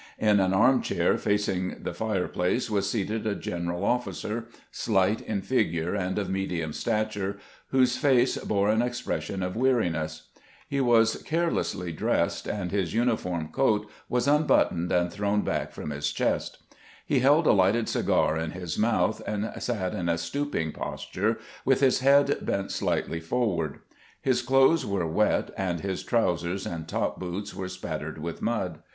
In an arm chair facing the fireplace was seated a general officer, slight in figure and of medium stature, whose face bore an expression of weariness. He was 1 s CAMPAIGNING "WITH GRANT carelessly dressed, and Ms uniform coat was unbTittoned and thrown back from his chest. He held a lighted cigar in his mouth, and sat in a stooping posture, with his head bent slightly forward. His clothes were wet, and his trousers and top boots were spattered with mud.